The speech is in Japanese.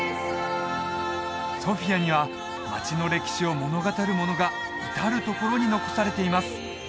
ソフィアには街の歴史を物語るものが至る所に残されています